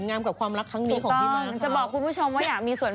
ส์ครับซักครู่แล้วฟังเวลาก็ไม่รู้แต่ว่าเขารักคนชื่อแหมวมากที่สุด